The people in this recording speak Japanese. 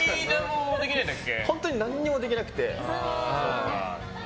本当に何もできなくて。